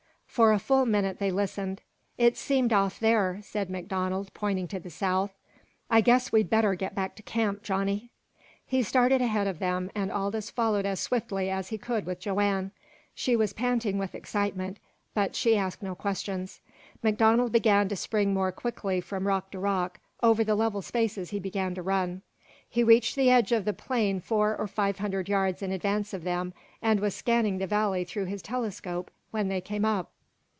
For a full minute they listened. "It seemed off there," said MacDonald, pointing to the south. "I guess we'd better get back to camp, Johnny." He started ahead of them, and Aldous followed as swiftly as he could with Joanne. She was panting with excitement, but she asked no questions. MacDonald began to spring more quickly from rock to rock; over the level spaces he began to run. He reached the edge of the plain four or five hundred yards in advance of them, and was scanning the valley through his telescope when they came up.